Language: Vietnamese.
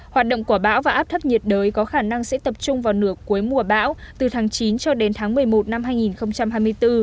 hoạt động của bão và áp thấp nhiệt đới có khả năng sẽ tập trung vào nửa cuối mùa bão từ tháng chín cho đến tháng một mươi một năm hai nghìn hai mươi bốn